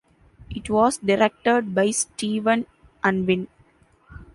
It was directed by Steven Unwin.